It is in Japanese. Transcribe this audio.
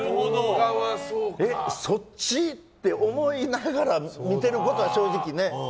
え、そっち？って思いながら見てることはあるよね。